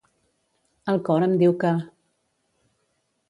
El cor em diu que.